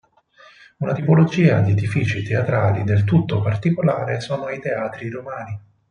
Una tipologia di edifici teatrali del tutto particolare sono i teatri romani.